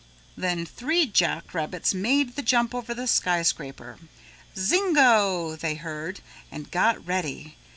Then three jack rabbits made the jump over the skyscraper. "Zingo," they heard and got ready.